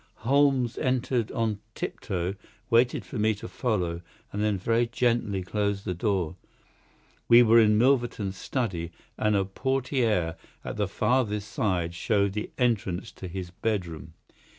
Holmes entered on tiptoe, waited for me to follow, and then very gently closed the door. We were in Milverton's study, and a PORTIERE at the farther side showed the entrance to his bedroom.